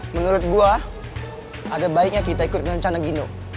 menurut gue ada baiknya kita ikut rencana gino